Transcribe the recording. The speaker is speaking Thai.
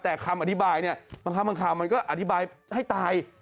แต่คำอธิบายบางคำบางคำมันก็อธิบายให้ตาย